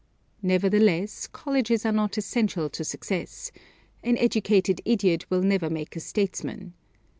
Nevertheless, colleges are not essential to success an educated idiot will never make a statesman.